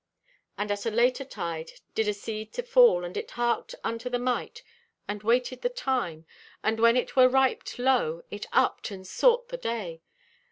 "And at a later tide did a seed to fall, and it harked unto the Mite and waited the time, and when it wert riped, lo, it upped and sought the day.